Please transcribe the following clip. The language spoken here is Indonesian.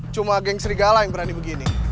cuma geng serigala yang berani begini